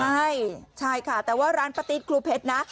ใช่ใช่ค่ะแต่ว่าร้านปะติ๊ดครูเพชรนะ